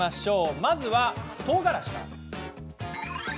まずは、とうがらしから。